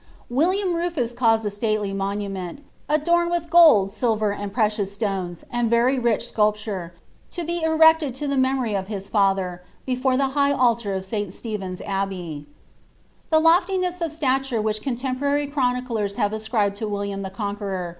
William Rufus caused a stalely monument, adorned with gold. aSfw, and precious stones, and very rich scnlpture, to be ereetoJ to the tnemofy of liis lather, before the high altar of Sl Stephen's Abbey.' The loftiness of stature which contemporary chroniclers hare ascribed to William the Conqueror.